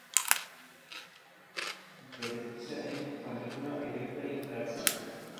Las vastas llanuras, poco habitadas, era ideales para la cría de ganado.